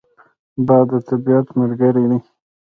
باد د طبیعت ملګری دی